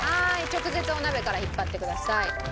直接お鍋から引っ張ってください。